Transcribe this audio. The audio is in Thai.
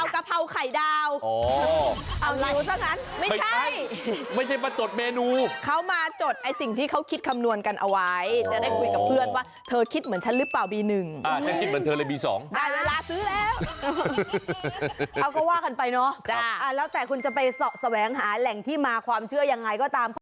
เขียนอะไรเอากะเพราไข่ดาวเอาอยู่ซะกันไม่ใช่